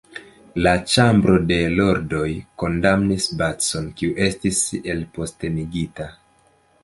La Ĉambro de Lordoj kondamnis Bacon, kiu estis elpostenigita.